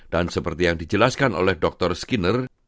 dan seperti yang dijelaskan oleh dr skinner